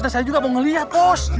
udah saya juga mau lihat bos